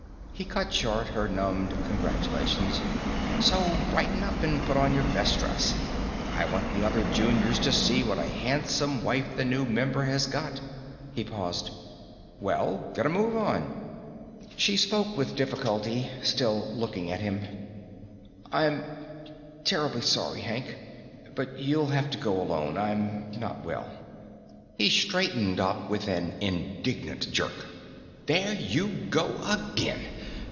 He cut short her mumbled congratulations. "So brighten yourself up and put on your best dress. I want the other Juniors to see what a handsome wife the new member has got." He paused. "Well, get a move on!" She spoke with difficulty, still not looking at him. "I'm terribly sorry, Hank, but you'll have to go alone. I'm not well." He straightened up with an indignant jerk. "There you go again!